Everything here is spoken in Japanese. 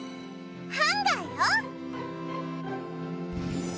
ハンガーよ。